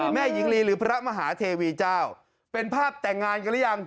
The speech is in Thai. แม่หญิงลีหรือพระมหาเทวีเจ้าเป็นภาพแต่งงานกันหรือยัง